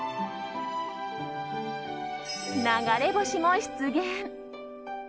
流れ星も出現。